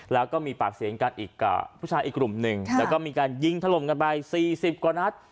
แล้วก็มีปากเสียงกันอีกกับผู้ชายอีกกลุ่มหนึ่งแล้วก็มีการยิงถล่มกันไป๔๐กว่านัด